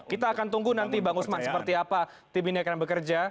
kita akan tunggu nanti bang usman seperti apa tim ini akan bekerja